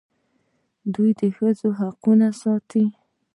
دوی د ښځو حقوق ساتي.